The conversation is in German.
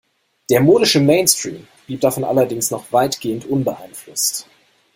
Der modische Mainstream blieb davon allerdings noch weitgehend unbeeinflusst.